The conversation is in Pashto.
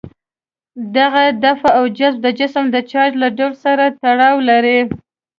دغه دفع او جذب د جسم د چارج له ډول سره تړاو لري.